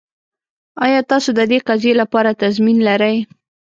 ایا تاسو د دې قضیې لپاره تضمین لرئ؟